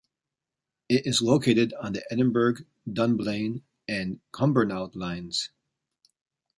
It is located on the Edinburgh-Dunblane and Cumbernauld Lines.